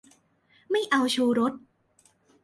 ไม่เอาชูรส